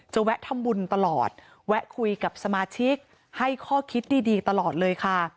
แวะทำบุญตลอดแวะคุยกับสมาชิกให้ข้อคิดดีตลอดเลยค่ะ